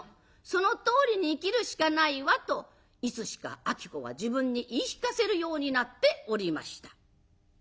そのとおりに生きるしかないわ」といつしか子は自分に言い聞かせるようになっておりました。